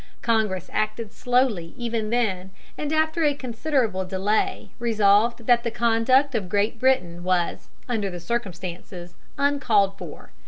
Congress acted slowly even then, and after considerable delay resolved that the conduct of Great Britain was, under the circumstances, uncalled for.